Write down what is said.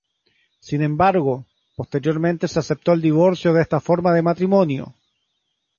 Sin embargo, posteriormente se aceptó el divorcio de esta forma de matrimonio.